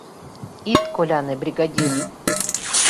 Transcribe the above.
— Ит коляне, бригадир!